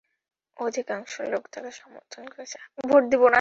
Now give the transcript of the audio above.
অধিকাংশ লোক তাকে সমর্থন করছে।